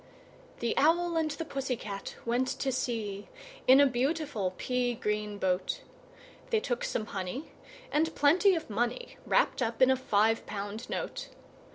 The Owl and the Pussy Cat went to sea In a beautiful pea green boat: They took some honey, and plenty of money Wrapped up in a five pound note.